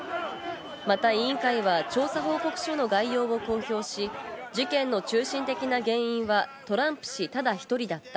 また委員会は調査報告書の概要を公表し、事件の中心的な原因はトランプ氏ただ１人だった。